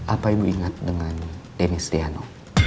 apa ibu ingat dengan dennis tiano